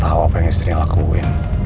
mas irfan apa yang istrinya lakuin